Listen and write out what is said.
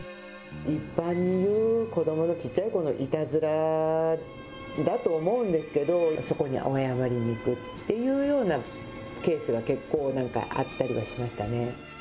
一般にいう子どものちっちゃいころのいたずらだと思うんですけど、そこに謝りに行くっていうようなケースが結構、なんかあったりはしましたね。